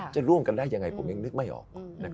จะร่วมกันได้ยังไงผมยังนึกไม่ออก